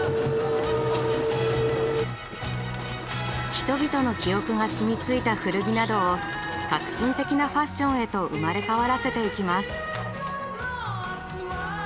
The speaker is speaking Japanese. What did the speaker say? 人々の記憶がしみついた古着などを革新的なファッションへと生まれ変わらせていきます。